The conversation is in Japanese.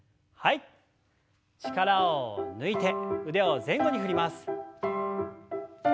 力を抜いて腕を前後に振ります。